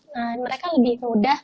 nah mereka lebih mudah